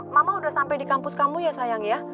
mama udah sampai di kampus kamu ya sayang ya